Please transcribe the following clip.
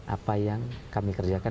apa yang kami kerjakan